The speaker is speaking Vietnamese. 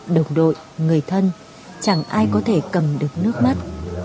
đồng đội người thân chẳng ai có thể cầm được nước mắt